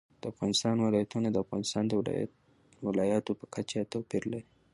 د افغانستان ولايتونه د افغانستان د ولایاتو په کچه توپیر لري.